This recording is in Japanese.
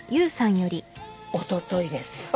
おとといですよ。